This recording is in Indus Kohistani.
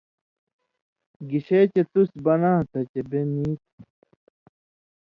(گِشے چے تُس بناں تھہ چے بے نی تھہ)